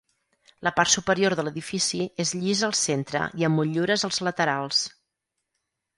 La part superior de l'edifici és llisa al centre i amb motllures als laterals.